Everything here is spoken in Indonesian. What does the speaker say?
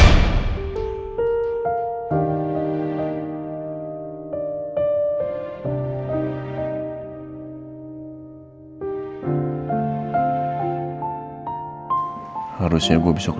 lalu aku mau kemana